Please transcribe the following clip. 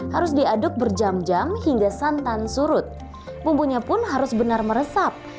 harus diaduk berjam jam hingga santan surut bumbunya pun harus benar meresap